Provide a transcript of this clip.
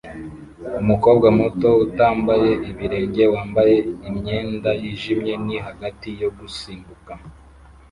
Umukobwa muto utambaye ibirenge wambaye imyenda yijimye ni hagati yo gusimbuka